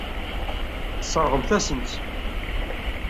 Tesseṛɣemt-asent-t.